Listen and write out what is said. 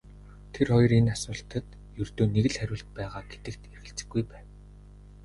Тэр энэ хоёр асуултад ердөө нэг л хариулт байгаа гэдэгт эргэлзэхгүй байв.